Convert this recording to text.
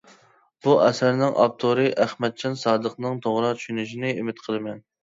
بۇ ئەسەرنىڭ ئاپتورى ئەخمەتجان سادىقنىڭ توغرا چۈشىنىشىنى ئۈمىد قىلىمەن.